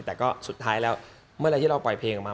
แต่ก็สุดท้ายแล้วเมื่อไหร่ที่เราปล่อยเพลงออกมา